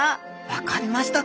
分かりました。